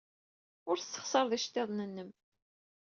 Ur tessexṣareḍ iceḍḍiḍen-nnem.